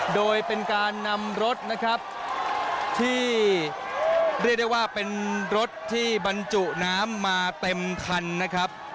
โดยเป็นการนำรถนะครับที่เรียกได้ว่าเป็นรถที่บรรจุน้ำมาเต็มคันนะครับ